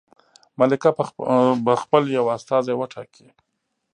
ملکه به خپل یو استازی وټاکي.